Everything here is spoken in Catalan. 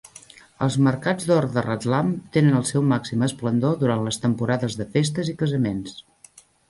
Els mercats d'or de Ratlam tenen el seu màxim esplendor durant les temporades de festes i casaments.